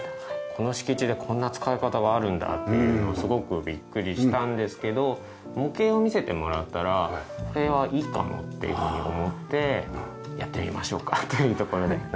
この敷地でこんな使い方があるんだっていうのをすごくビックリしたんですけど模型を見せてもらったらこれはいいかもっていうふうに思ってやってみましょうかというところで。